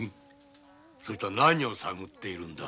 そいつは何を探っているんだ？